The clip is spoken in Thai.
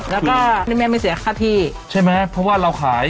แล้วก็นี่แม่ไม่เสียค่าที่ใช่ไหมเพราะว่าเราขาย